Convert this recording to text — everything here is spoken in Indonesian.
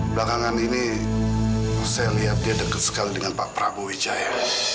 belakangan ini saya lihat dia dekat sekali dengan pak prabowo wijaya